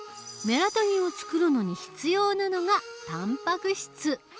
メラトニンをつくるのに必要なのがたんぱく質。